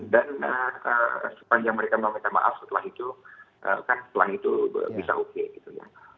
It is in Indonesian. dan sepanjang mereka meminta maaf setelah itu kan setelah itu bisa oke